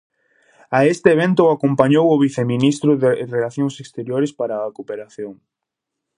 A este evento o acompañou o viceministro de Relacións Exteriores para a Cooperación.